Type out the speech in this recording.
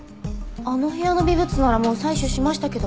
あの部屋の微物ならもう採取しましたけど。